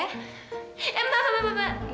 eh mbak mbak mbak